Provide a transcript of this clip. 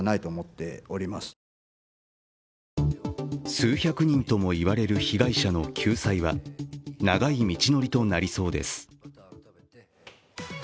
数百人ともいわれる被害者の救済は長い道のりとなりそうです。